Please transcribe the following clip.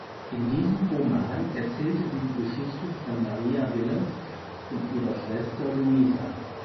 In diesem Roman erzählt sie die Geschichte von Maria Villiers und ihrer Schwester Louisa.